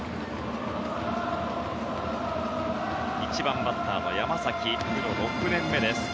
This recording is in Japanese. １番バッターの山崎プロ６年目です。